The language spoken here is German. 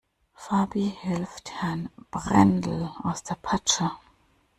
Fabi hilft Herrn Brendel aus der Patsche.